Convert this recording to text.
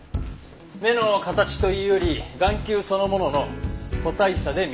目の形というより眼球そのものの個体差で見極める。